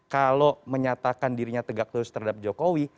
kalau menyatakan dirinya tegak lurus terhadap jokowi